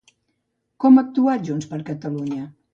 Com ha actuat JxCat?